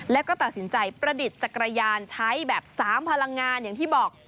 แล้วก็ตัดสินใจประดิษฐ์จักรยานใช้แบบ๓พลังงานอย่างที่บอก